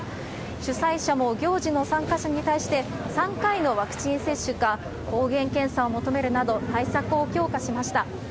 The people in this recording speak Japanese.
主催者も行事の参加者に対して、３回のワクチン接種か、抗原検査を求めるなど、対策を強化しました。